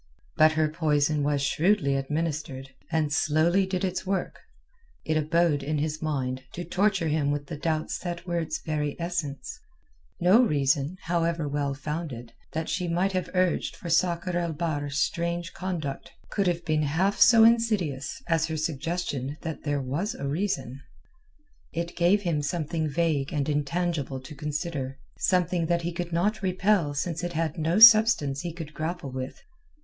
But her poison was shrewdly administered, and slowly did its work. It abode in his mind to torture him with the doubts that were its very essence. No reason, however well founded, that she might have urged for Sakr el Bahr's strange conduct could have been half so insidious as her suggestion that there was a reason. It gave him something vague and intangible to consider. Something that he could not repel since it had no substance he could grapple with.